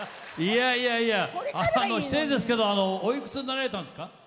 いやいや失礼ですけどおいくつになられたんですか？